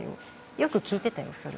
よく聞いてたよそれ。